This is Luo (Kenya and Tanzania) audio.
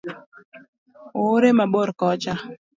Ohore mabor kocha